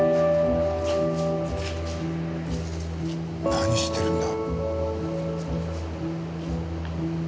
何してるんだ？